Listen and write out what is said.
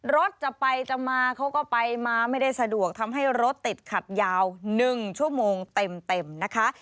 รถจะไปจะมาเขาก็ไปมาไม่ได้สะดวกทำให้รถติดขัดยาว๑ชั่วโมงเต็มนะคะ